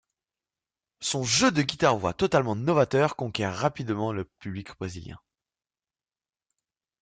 Son jeu de guitare-voix totalement novateur conquiert rapidement le public brésilien.